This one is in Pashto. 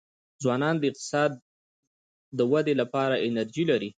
ځوانان د اقتصاد د ودې لپاره انرژي لري.